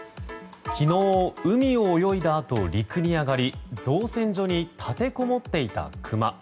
昨日、海を泳いだあと陸に上がり造船所に立てこもっていたクマ。